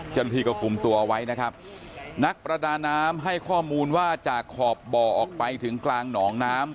เจ้าหน้าที่ก็คุมตัวไว้นะครับนักประดาน้ำให้ข้อมูลว่าจากขอบบ่อออกไปถึงกลางหนองน้ำ